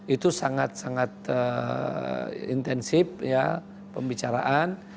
itu sangat sangat intensif pembicaraan